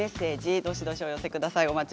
どしどしお寄せください。